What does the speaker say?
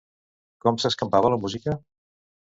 Com s'escampava la música?